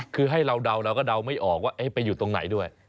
คือให้เราเดาเราก็เดาไม่ออกว่าไปอยู่ตรงไหนด้วย